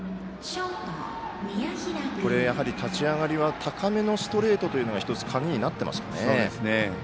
立ち上がりは高めのストレートが１つ鍵になっていますね。